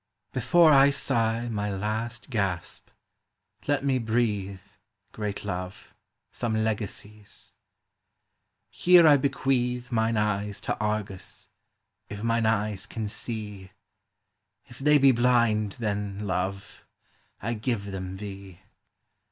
Before I sigh my last gasp, let me breathe, Great Love, some legacies: here I bequeathe Mine eyes to Argus, if mine eyes can see, If they be blind, then, Love, I give them thee ; 296 POEMS OF SENTIMENT.